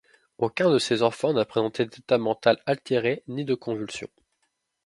Aucun de ces enfants n’a présenté d’état mental altéré ni de convulsions.